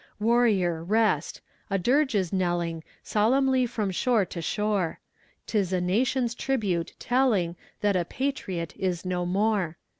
Warrior, rest! a dirge is knelling Solemnly from shore to shore: 'Tis a nation's tribute, telling That a patriot is no more!